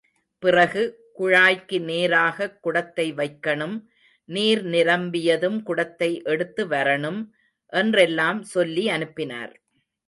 பிறகு குழாய்க்கு நேராகக் குடத்தை வைக்கணும் நீர் நிரம்பியதும் குடத்தை எடுத்து வரணும் என்றெல்லாம் சொல்லி அனுப்பினார்.